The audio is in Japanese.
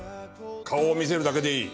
顔を見せるだけでいい。